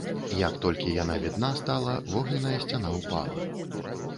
Як толькі яна відна стала, вогненная сцяна ўпала.